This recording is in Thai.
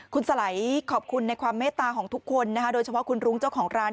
คุณสไหลขอบคุณในความเมตตาของทุกคนนะคะโดยเฉพาะคุณรุ้งเจ้าของร้าน